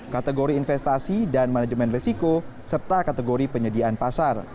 kategori investasi dan manajemen resiko serta kategori penyediaan pasar